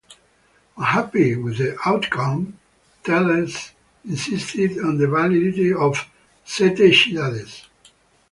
Unhappy with the outcome, Teles insisted on the validity of Sete Cidades.